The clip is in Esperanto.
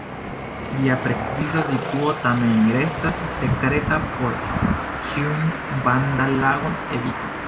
Ĝia preciza situo tamen restas sekreta por ĉiun vandal-agon eviti.